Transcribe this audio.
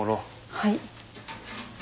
はい。